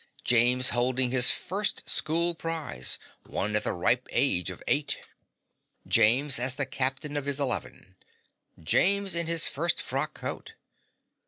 James holding his first school prize, won at the ripe age of eight! James as the captain of his eleven! James in his first frock coat!